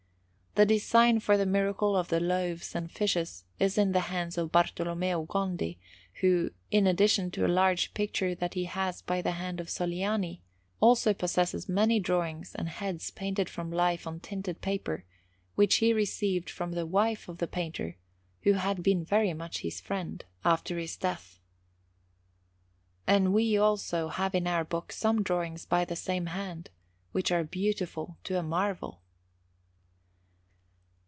The design for the Miracle of the Loaves and Fishes is in the hands of Bartolommeo Gondi, who, in addition to a large picture that he has by the hand of Sogliani, also possesses many drawings and heads painted from life on tinted paper, which he received from the wife of the painter, who had been very much his friend, after his death. And we, also, have in our book some drawings by the same hand, which are beautiful to a marvel.